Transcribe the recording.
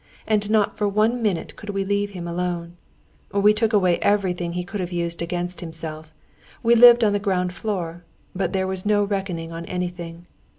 And not for one minute could we leave him alone. We took away everything he could have used against himself. We lived on the ground floor, but there was no reckoning on anything.